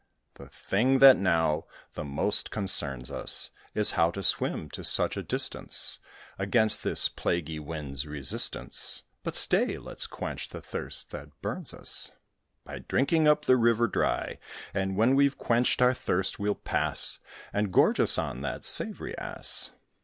The thing that now the most concerns us Is, how to swim to such a distance, Against this plaguy wind's resistance. But, stay! let's quench the thirst that burns us, By drinking up the river dry; And when we've quenched our thirst, we'll pass And gorge us on that savoury Ass."